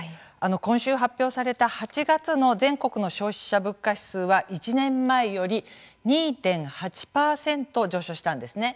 今週発表された８月の全国の消費者物価指数は１年前より２．８％上昇したんですね。